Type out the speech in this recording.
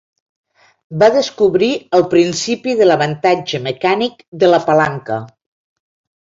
Va descobrir el principi de l'avantatge mecànic de la palanca.